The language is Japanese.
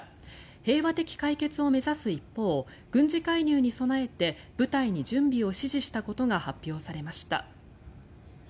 平和的解決を目指す一方軍事介入に備えて部隊に準備を指示したことが発表されました。